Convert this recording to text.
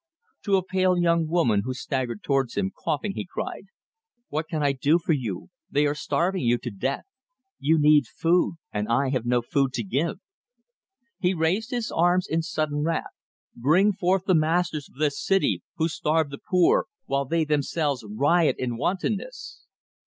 To a pale young woman who staggered towards him, coughing, he cried: "What can I do for you? They are starving you to death! You need food and I have no food to give!" He raised his arms, in sudden wrath. "Bring forth the masters of this city, who starve the poor, while they themselves riot in wantonness!"